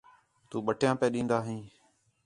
تو بٹیاں پیا ڈیندا ھیں